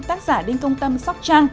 tác giả đinh công tâm sóc trăng